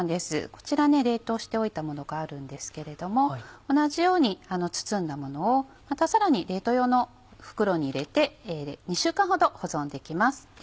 こちら冷凍しておいたものがあるんですけれども同じように包んだものをまたさらに冷凍用の袋に入れて２週間ほど保存できます。